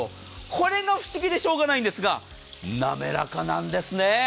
これが不思議でしょうがないんですが滑らかなんですね。